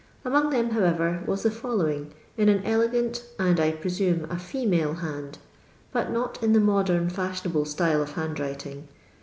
Among them, however, was the following, in an elegant, and I presume a female band, but not in the modern fashionable style of handwriting.